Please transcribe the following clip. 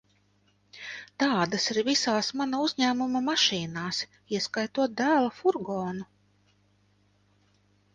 Tādas ir visās mana uzņēmuma mašīnās, ieskaitot dēla furgonu.